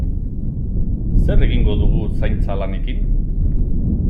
Zer egingo dugu zaintza lanekin?